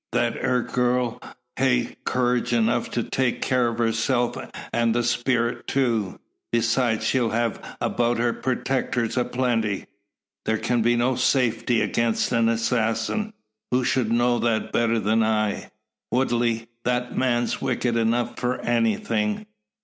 Thet ere gurl hev courage enuf to take care o' herself, an' the spirit too. Besides, she'll hev about her purtectors a plenty." "There can be no safety against an assassin. Who should know that better than I? Woodley, that man's wicked enough for anything."